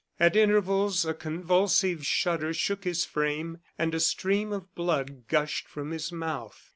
At intervals a convulsive shudder shook his frame, and a stream of blood gushed from his mouth.